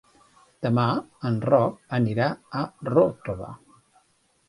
Demà en Roc anirà a Ròtova.